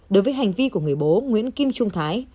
đối với hành vi của người bố nguyễn kim trung thái